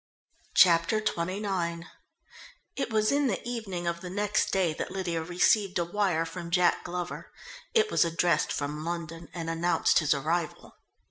Chapter XXIX It was in the evening of the next day that Lydia received a wire from Jack Glover. It was addressed from London and announced his arrival.